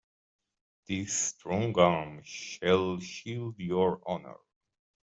This strong arm shall shield your honor.